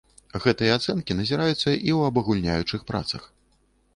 Гэтыя ацэнкі назіраюцца і ў абагульняючых працах.